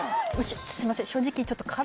すいません正直。